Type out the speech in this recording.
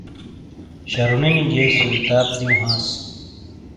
شارونینی گئے سوری تاپ دیوں ہانس